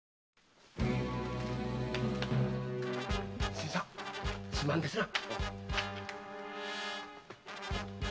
新さんすまんですな。